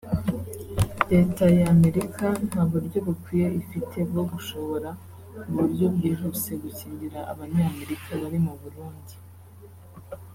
Leta y’Amerika nta buryo bukwiye ifite bwo gushobora mu buryo bwihuse gukingira Abanyamerika bari mu Burundi